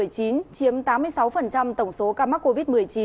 chiếm tám mươi sáu tổng số ca mắc covid một mươi chín